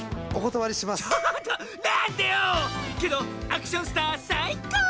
けどアクションスターさいこう！